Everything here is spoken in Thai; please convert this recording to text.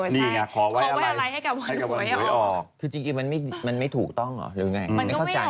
เขาควายอะไรให้กว่าหน่วยออกจริงมันไม่ถูกต้องหรือยังไงไม่เข้าใจเนี่ย